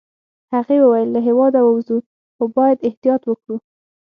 هغې وویل: له هیواده ووزو، خو باید احتیاط وکړو.